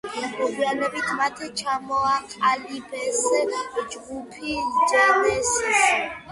მოგვიანებით მათ ჩამოაყალიბეს ჯგუფი ჯენესისი.